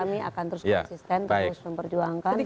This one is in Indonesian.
kami akan terus konsisten terus memperjuangkan